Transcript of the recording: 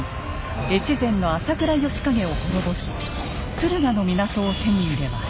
越前の朝倉義景を滅ぼし敦賀の港を手に入れます。